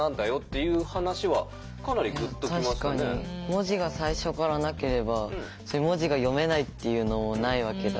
文字が最初からなければ文字が読めないというのもないわけだし。